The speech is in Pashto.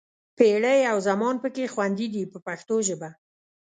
پېړۍ او زمان پکې خوندي دي په پښتو ژبه.